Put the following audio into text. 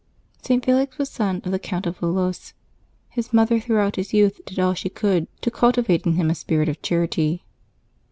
[t. Felix was son of the Count of Valois. His mother throughout his youth did all she could to cultivate in him a spirit of charity.